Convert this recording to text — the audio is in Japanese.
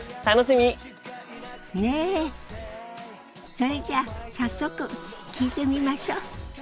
それじゃあ早速聞いてみましょ。